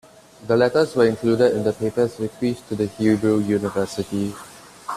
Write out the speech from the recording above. The letters were included in the papers bequeathed to The Hebrew University.